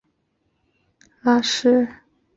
据说它发源自土耳其的卡赫拉曼马拉什。